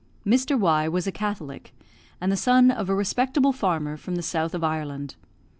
Mr. Y was a Catholic, and the son of a respectable farmer from the south of Ireland.